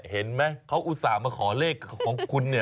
เห็นไหมเขาอุตส่าห์มาขอเลขของคุณเนี่ย